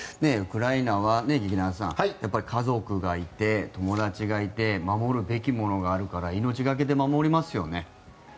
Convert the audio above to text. ウクライナは劇団さん家族がいて友達がいて守るべきものがあるから命懸けで守りますよね。